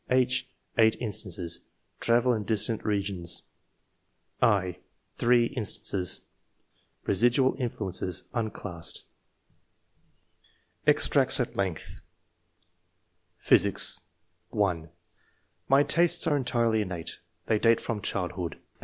h, 8 Travel in distant regions. z, 3 Eesidual influences, unclassed. EXTRACTS AT LENGTH. PHYSICS. (1) "My tastes are entirely innate ; they date from childhood."